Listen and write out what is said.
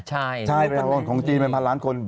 ใช่ของจีนเป็นพันล้านคน